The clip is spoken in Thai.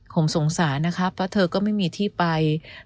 ผมสงสารนะคะเพราะเธอก็ไม่มีที่ไป